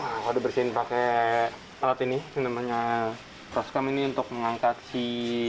kalau dibersihin pakai alat ini yang namanya roscom ini untuk mengangkat si